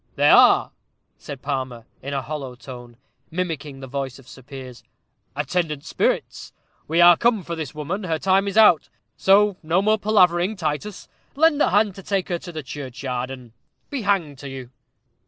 "They are," said Palmer, in a hollow tone, mimicking the voice of Sir Piers, "attendant spirits. We are come for this woman; her time is out; so no more palavering, Titus. Lend a hand to take her to the churchyard, and be hanged to you."